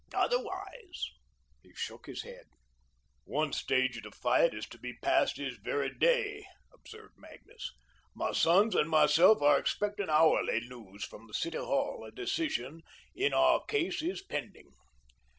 Otherwise " he shook his head. "One stage of the fight is to be passed this very day," observed Magnus. "My sons and myself are expecting hourly news from the City Hall, a decision in our case is pending."